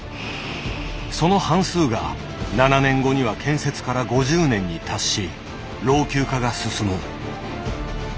その半数が７年後には建設から５０年に達し老朽化が進む。